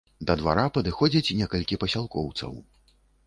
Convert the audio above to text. Да двара падыходзяць некалькі пасялкоўцаў.